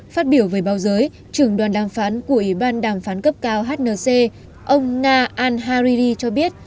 phát biểu về báo giới trưởng đoàn đàm phán của ủy ban đàm phán cấp cao hnc ông nga al hariri cho biết